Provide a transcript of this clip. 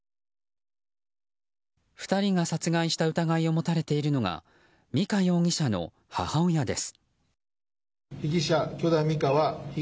２人が殺害した疑いを持たれているのが美香容疑者の母親です。